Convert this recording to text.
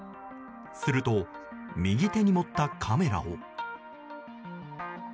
すると右手に持ったカメラを。